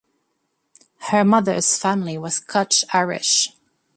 Her mother's family was Scotch-Irish.